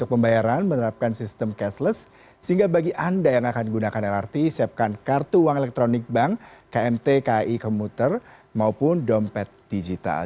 pembayaran menerapkan sistem cashless sehingga bagi anda yang akan gunakan lrt siapkan kartu uang elektronik bank kmt kai komuter maupun dompet digital